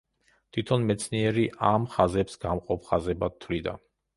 თვითონ მეცნიერი ამ ხაზებს გამყოფ ხაზებად თვლიდა.